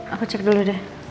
aku cek dulu deh